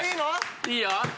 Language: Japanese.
いいよ。